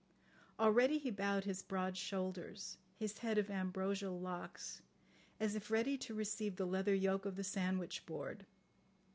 Already he bowed his broad shoulders, his head of ambrosial locks, as if ready to receive the leather yoke of the sandwich board.